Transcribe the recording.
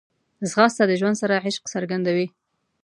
ځغاسته د ژوند سره عشق څرګندوي